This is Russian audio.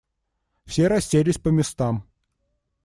Все расселись по местам.